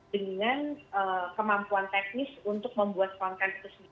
dengan kemampuan teknis untuk membuat konten itu sendiri